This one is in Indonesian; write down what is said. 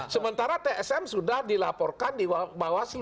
sementara tsm sudah dilaporkan di bawah selu